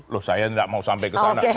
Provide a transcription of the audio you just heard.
loh saya tidak mau sampai ke sana